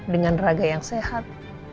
dengan raga yang sehat